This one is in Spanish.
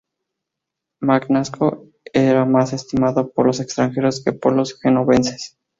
Magnasco era más estimado por los extranjeros que por los genoveses.